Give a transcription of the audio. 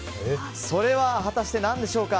それは果たして何でしょうか。